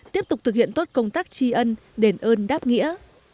tiếp tục thực hiện tốt công tác tri ân đền ơn đáp nghĩa